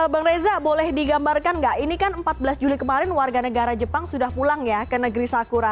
bang reza boleh digambarkan nggak ini kan empat belas juli kemarin warga negara jepang sudah pulang ya ke negeri sakura